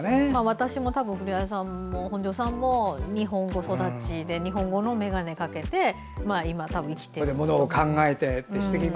私も古谷さんも本庄さんも日本語育ちで日本語の眼鏡をかけて今、たぶん生きていると。